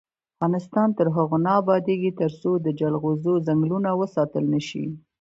افغانستان تر هغو نه ابادیږي، ترڅو د جلغوزو ځنګلونه وساتل نشي.